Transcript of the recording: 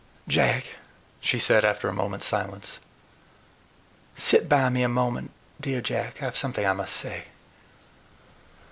"Jack," she said, after a moment's silence, "sit by me a moment; dear Jack: I've something I must say.